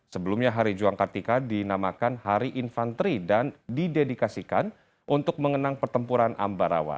sebelumnya hari juang kartika dinamakan hari infanteri dan didedikasikan untuk mengenang pertempuran ambarawa